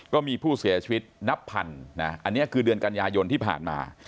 ก็มีผู้เสียชีวิตนับพันนะอันนี้คือเดือนกันยายนที่ผ่านมา